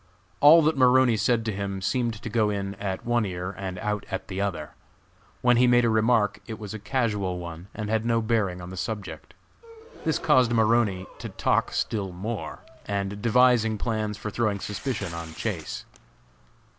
All that Maroney said to him seemed to go in at one ear and out at the other. When he made a remark it was a casual one and had no bearing on the subject. This caused Maroney to talk still more, devising plans for throwing suspicion on Chase.